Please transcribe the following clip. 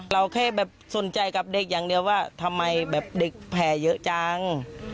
เราแค่แบบสนใจกับเด็กอย่างเดียวว่าทำไมแบบเด็กแผ่เยอะจัง